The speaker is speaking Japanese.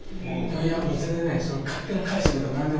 いやもう全然ねそれは勝手な解釈でも何でもないと思いますよ。